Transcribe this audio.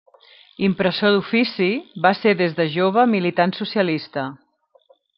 Impressor d'ofici, va ser des de jove militant socialista.